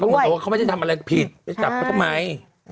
เขาบอกว่าเขาไม่ได้ทำอะไรผิดไม่ได้จับก็ไม่